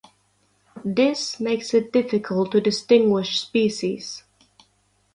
This makes it difficult to distinguish species.